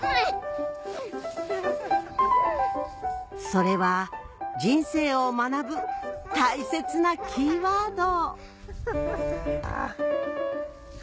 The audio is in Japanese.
それは人生を学ぶ大切なキーワード